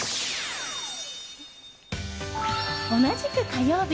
同じく、火曜日。